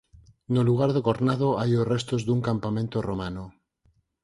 No lugar do Cornado hai os restos dun campamento romano.